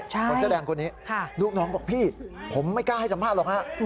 คนเสื้อแดงคนนี้ลูกน้องบอกพี่ผมไม่กล้าให้สัมภาษณ์หรอกฮะ